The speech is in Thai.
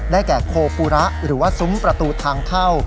แก่โคปูระหรือว่าซุ้มประตูทางเข้า